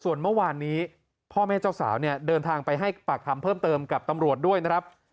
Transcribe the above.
ส่วนเมื่อวานนี้พ่อแม่เจ้าสาวเนี่ยเดินทางไปให้ปากคำเพิ่มเติมกับตำรวจด้วยนะครับ